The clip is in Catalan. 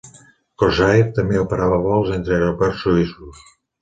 Crossair també operava vols entre aeroports suïssos.